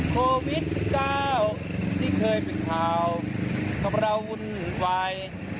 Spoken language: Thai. โควิด๑๙ที่เคยเป็นข่าวกับเราวุ่นวาย